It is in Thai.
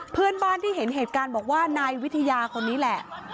เพื่อนบ้านที่เห็นเหตุการณ์บอกว่านายวิทยาคนนี้แหละ